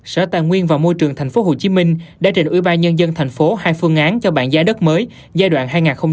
sở tài nguyên và môi trường tp hcm đã trình ủy ban nhân dân tp hcm hai phương án cho bản giá đất mới giai đoạn hai nghìn hai mươi hai nghìn hai mươi bốn